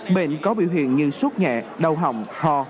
bệnh có biểu hiện như sốt nhẹ đầu hồng ho